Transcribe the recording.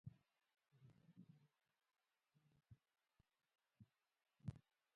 د دې ګډوډۍ اصلي علت تر اوسه معلوم نه دی.